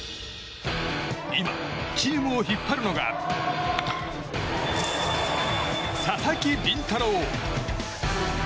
今、チームを引っ張るのが佐々木麟太郎。